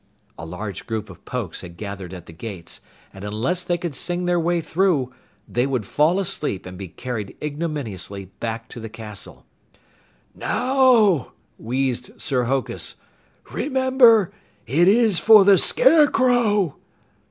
A large group of Pokes had gathered at the gates, and unless they could sing their way through, they would fall asleep and be carried ignominiously back to the castle. "Now!" wheezed Sir Hokus, "Remember, it is for the Scarecrow!"